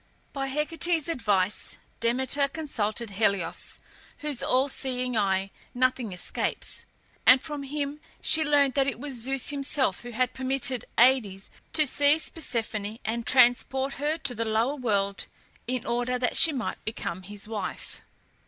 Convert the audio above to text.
By Hecate's advice Demeter consulted Helios, whose all seeing eye nothing escapes, and from him she learnt that it was Zeus himself who had permitted Aïdes to seize Persephone, and transport her to the lower world in order that she might become his wife.